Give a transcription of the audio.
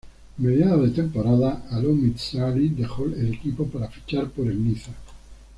A mediados de temporada, Alon Mizrahi dejó el equipo para fichar por el Niza.